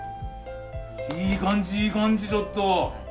いい感じいい感じちょっと。